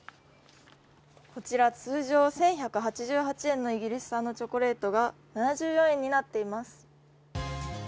こちら、通常１１８８円のイギリス産のチョコレートが、７４円になっています。